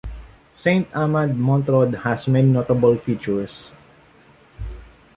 Saint-Amand-Montrond has many notable features.